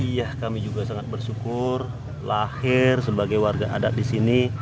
iya kami juga sangat bersyukur lahir sebagai warga adat di sini